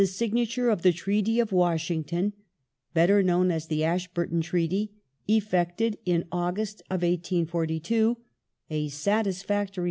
signature of the Treaty of Washington — better known as the Ashburton Treaty — effected, in August, 1842, a ^satisfactory.